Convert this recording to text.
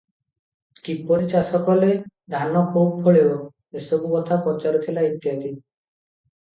କିପରି ଚାଷକଲେ ଧାନ ଖୁବ୍ ଫଳିବ, ଏସବୁକଥା ପଚାରୁଥିଲା ଇତ୍ୟାଦି ।